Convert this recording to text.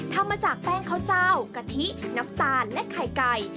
ทำมาจากแป้งข้าวเจ้ากะทิน้ำตาลและไข่ไก่